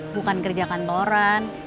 bukan kerja kantoran